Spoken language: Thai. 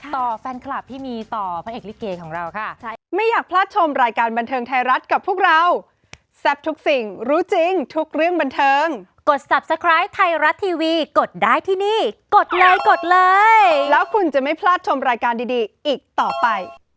ต่อแฟนคลับที่มีต่อพระเอกลิเกของเราค่ะ